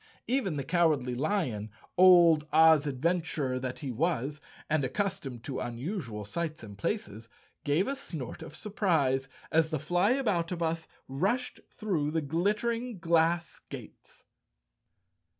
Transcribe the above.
Even the Cowardly Lion, old Oz adven¬ turer that he was and accustomed to unusual sights and places, gave a snort of surprise as the Flyabouta bus rushed through the glittering glass gates.